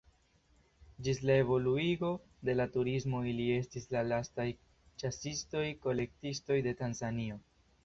Ĝis la evoluigo de la turismo ili estis la lastaj ĉasistoj-kolektistoj de Tanzanio.